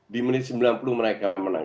di menit sembilan puluh mereka menang